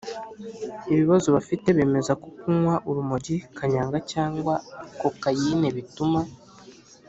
ibibazo bafite. bemeza ko kunywa urumogi, kanyanga cyangwa kokayine bituma